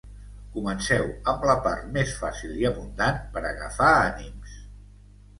Comenceu amb la part més fàcil i abundant per agafar ànims.